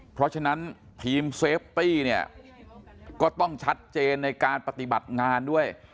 เพราะฉะนั้นทีมเซฟตี้เนี่ยก็ต้องชัดเจนในการปฏิบัติงานด้วย